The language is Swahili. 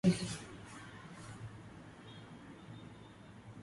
Maeneo mengi hivi karibuni yamekumbwa na uhaba wa petroli